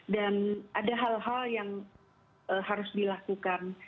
dan ada hal hal yang harus dilakukan